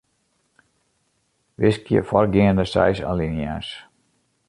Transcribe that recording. Wiskje foargeande seis alinea's.